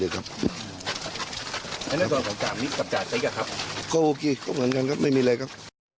เหมือนกันครับไม่มีอะไรครับ